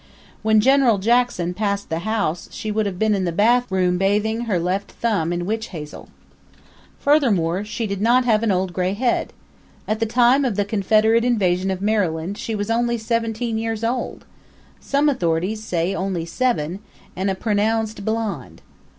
When General Jackson passed the house she would have been in the bathroom bathing her left thumb in witch hazel. Furthermore, she did not have any old gray head. At the time of the Confederate invasion of Maryland she was only seventeen years old some authorities say only seven and a pronounced blonde.